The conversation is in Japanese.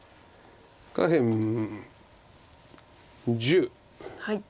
下辺１０。